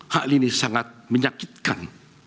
hal ini sangat menyakitkan